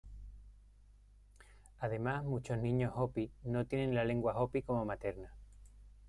Además muchos niños Hopi no tienen la lengua Hopi como materna.